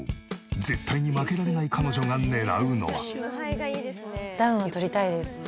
絶対に負けられない彼女が狙うのは。